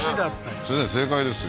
それじゃ正解ですよ